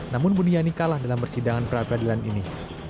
namun buniani kalah dalam persidangan pra peradilan ini